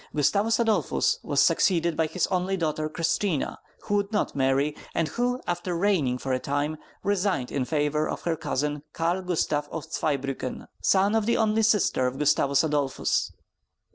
Gustavus Adolphus was succeeded by his only daughter, Christina, who would not marry, and who after reigning for a time resigned in favor of her cousin Karl Gustav of Zweibrücken, son of the only sister of Gustavus Adolphus.